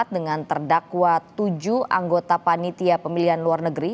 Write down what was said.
dengan terdakwa tujuh anggota panitia pemilihan luar negeri